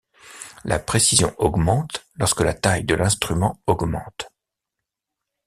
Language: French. La précision augmente lorsque la taille de l’instrument augmente.